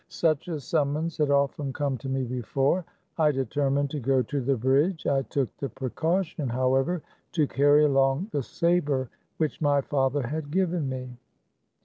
Such a sum mons had often come to me before. I determined to go to the bridge. I took the precaution, how ever, to carry along the saber which my father had given me.